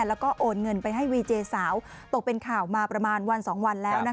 แล้วก็โอนเงินไปให้วีเจสาวตกเป็นข่าวมาประมาณวัน๒วันแล้ว